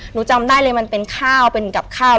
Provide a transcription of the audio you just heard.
หนูจำได้เลยมันเป็นข้าวเป็นกับข้าว